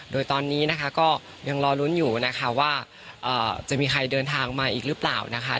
โดยตอนนี้นะคะก็ยังรอลุ้นอยู่นะคะว่าจะมีใครเดินทางมาอีกหรือเปล่านะคะ